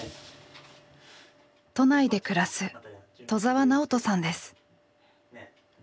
都内で暮らす戸澤直人さんです。